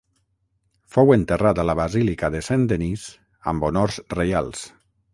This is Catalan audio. Fou enterrat a la Basílica de Saint-Denis amb honors reials.